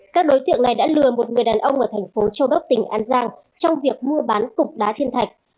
các đối tượng này đã lừa một người đàn ông ở thành phố châu đốc tỉnh an giang trong việc mua bán cục đá thiên thạch